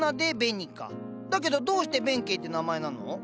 だけどどうして弁慶って名前なの？